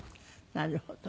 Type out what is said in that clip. なるほど。